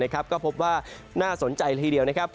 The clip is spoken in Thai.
ก็พบว่าน่าสนใจละทีเดียวนะครับ